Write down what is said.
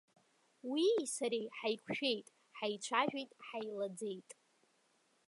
Уии сареи ҳаиқәшәеит, хаицәажәеит, ҳаилаӡеит.